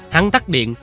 hắn tắt điện